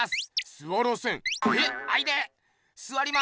「すわらせん！」。